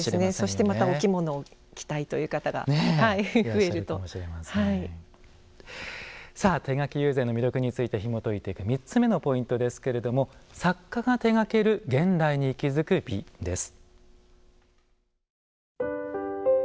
そしてまたお着物を着たいという方がさあ手描き友禅の魅力についてひもといていく３つ目のポイントですけれども作家が手がける現代に息づく美です。